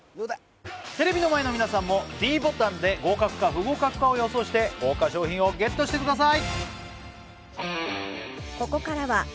テレビの前の皆さんもｄボタンで合格か不合格かを予想して豪華賞品をＧＥＴしてください